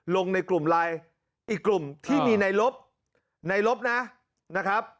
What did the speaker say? ลงในกลุ่มไลน์อีกกลุ่มที่มีในลบในลบนะนะครับ